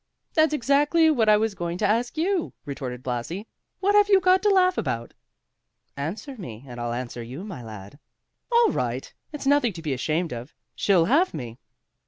"That's exactly what I was going to ask you," retorted Blasi, "What have you got to laugh about?" "Answer me, and I'll answer you, my lad." "All right; it's nothing to be ashamed of. She'll have me."